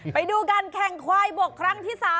ไปดูการแข่งควายบกครั้งที่๓